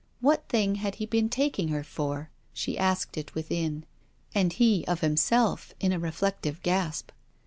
What thing had he been taking her for? She asked it within: and he of himself, in a reflective gasp.